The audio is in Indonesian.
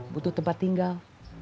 butuh tempat tinggal